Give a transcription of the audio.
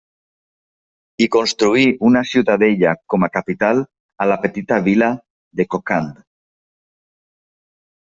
Hi construí una ciutadella com a capital a la petita vila de Kokand.